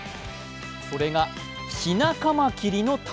それが、ヒナカマキリの卵。